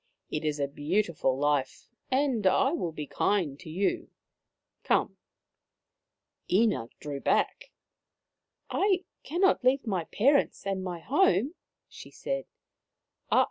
It is a beautiful life, and I will be kind to you. Come !" Ina drew back. " I cannot leave my parents and my home, ,, she said.